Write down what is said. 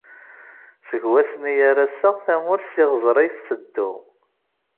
Seg wass-nni ar ass-a tamurt s iɣzer i tetteddu.